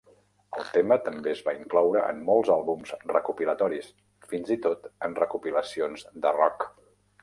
El tema també es va incloure en molts àlbums recopilatoris, fins i tot en recopilacions de rock.